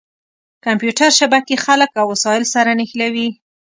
کمپیوټر شبکې خلک او وسایل سره نښلوي.